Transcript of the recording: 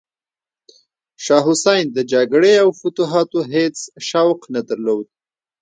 شاه حسین د جګړې او فتوحاتو هیڅ شوق نه درلود.